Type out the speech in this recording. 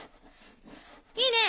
いいね